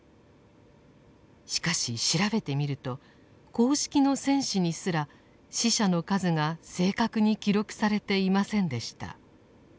しかし調べてみると公式の戦史にすら死者の数が正確に記録されていませんでした。